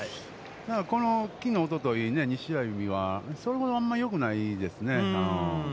このきのう、おととい２試合は、それほどあんまりよくないですね。